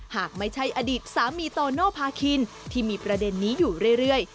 หากไม่ใช่อดีตสามีโตโนภาคินที่มีประเด็นนี้อยู่เรื่อย